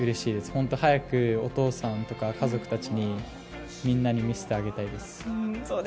本当、早くお父さんとか家族たちにみんなに見せてあげたいです。